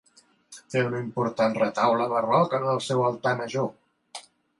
Té un important retaule barroc en el seu altar major.